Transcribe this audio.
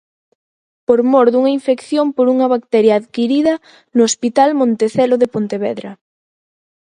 Por mor dunha infección por unha bacteria adquirida no Hospital Montecelo de Pontevedra.